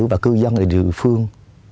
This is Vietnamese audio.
và cư dân địa phương